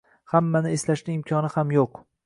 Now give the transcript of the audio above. hammani eslashning imkoni ham yo’q.